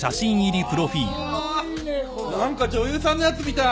何か女優さんのやつみたい。